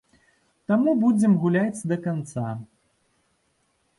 Таму будзем гуляць да канца.